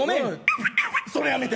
それやめて！